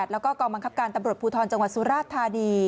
แล้วก็กองบังคับการตำรวจภูทรจังหวัดสุราชธานี